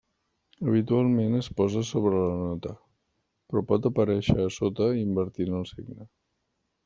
Habitualment es posa sobre la nota, però pot aparèixer a sota invertint el signe.